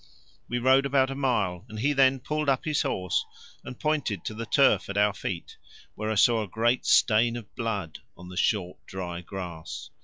We rode about a mile, and he then pulled up his horse and pointed to the turf at our feet, where I saw a great stain of blood on the short dry grass.